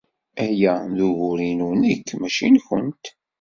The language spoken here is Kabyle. Aya d ugur-inu nekk, maci nwent.